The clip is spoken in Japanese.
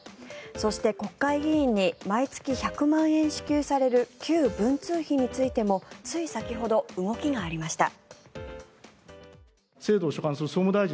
そして国会議員に毎月１００万円支給される旧文通費についてもつい先ほど動きがありました。